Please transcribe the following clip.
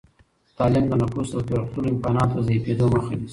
تعلیم د نفوس د پرمختللو امکاناتو د ضعیفېدو مخه نیسي.